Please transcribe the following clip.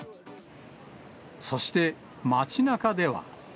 そして、街なかでは。